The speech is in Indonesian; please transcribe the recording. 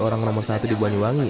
orang nomor satu di banyuwangi